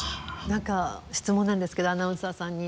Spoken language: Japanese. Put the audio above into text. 何か質問なんですけどアナウンサーさんに。